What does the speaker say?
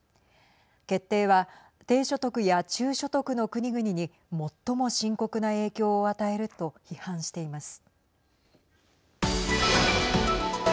決定は、低所得や中所得の国々に最も深刻な影響を与えると批判しています。